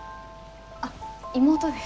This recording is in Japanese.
あっ妹です。